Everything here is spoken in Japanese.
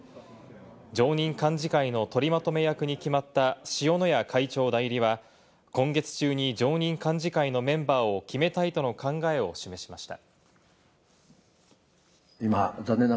常任幹事会の取りまとめ役に決まった塩谷会長代理は、今月中に常任幹事会のメンバーを決めたいとの考えを示しました。